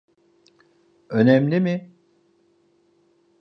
Önemli mi?